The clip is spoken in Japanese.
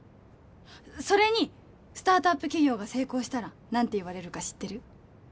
それにスタートアップ企業が成功したら何て言われるか知ってる？